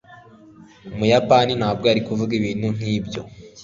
umuyapani ntabwo yari kuvuga ibintu nkibyo